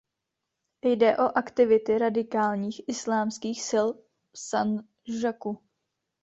Jde o aktivity radikálních islámských sil v Sandžaku.